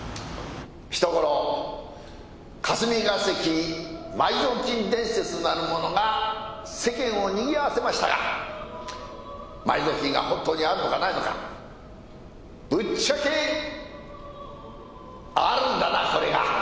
「ひと頃霞ヶ関埋蔵金伝説なるものが世間を賑わわせましたが埋蔵金が本当にあるのかないのかぶっちゃけあるんだなこれが！」